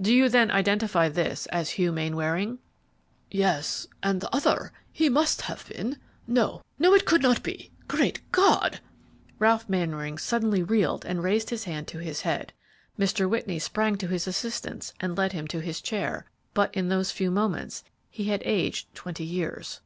"Do you then identify this as Hugh Mainwaring?" "Yes; and the other he must have been no, no, it could not be great God!" Ralph Mainwaring suddenly reeled and raised his hand to his head. Mr. Whitney sprang to his assistance and led him to his chair, but in those few moments he had aged twenty years.